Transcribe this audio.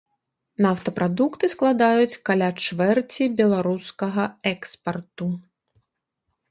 Нафтапрадукты складаюць каля чвэрці беларускага экспарту.